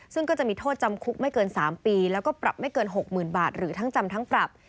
ซึ่งก็จะมีโทษจำคุกไม่เกิน๓ปีแล้วก็ปรับไม่เกิน๖๐๐๐บาทหรือทั้งจำทั้งปรับ